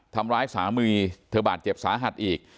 ทำร้ายสามีเธอบาดเจ็บสาหัสอีก